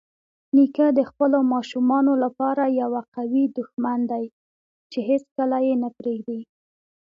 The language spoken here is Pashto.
نیکه د خپلو ماشومانو لپاره یوه قوي دښمن دی چې هیڅکله یې نه پرېږدي.